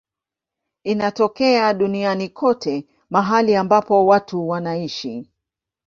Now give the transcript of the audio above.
Inatokea duniani kote mahali ambapo watu wanaishi.